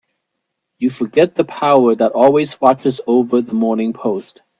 You forget the power that always watches over the Morning Post.